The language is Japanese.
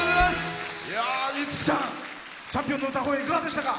五木さん、チャンピオンの歌声いかがでしたか？